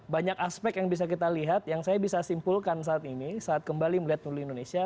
banyak aspek yang bisa kita lihat yang saya bisa simpulkan saat ini saat kembali melihat tuli indonesia